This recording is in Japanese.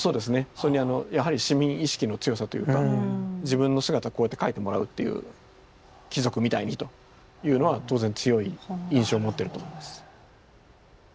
それにやはり市民意識の強さというか自分の姿こうやって描いてもらうという貴族みたいにというのは当然強い印象を持ってると思います。